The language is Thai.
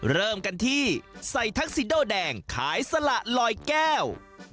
เริ่มกันที่ใส่ทักซิโดแดงขายสละลอยแก้ว